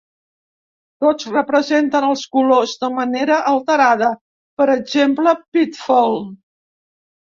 Tots representen els colors de manera alterada; per exemple, Pitfall!